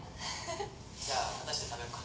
じゃあ片して食べようか。